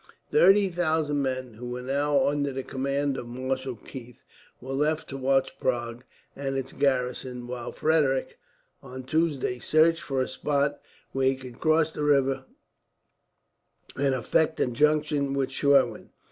Thirty thousand men, who were under the command of Marshal Keith, were left to watch Prague and its garrison; while Frederick, on Tuesday, searched for a spot where he could cross the river and effect a junction with Schwerin.